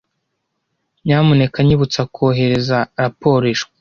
Nyamuneka nyibutsa kohereza raporo ejo.